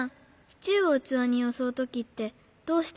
シチューをうつわによそうときってどうしてる？